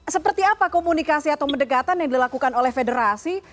seperti apa komunikasi atau mendekatan yang dilakukan oleh federasi